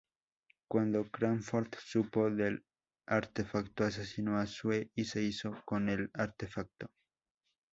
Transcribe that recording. Cuando Crawford supo del artefacto, asesinó a Sue y se hizo con el artefacto.